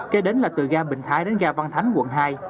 kế đến là từ ga bình thái đến ga văn thánh quận hai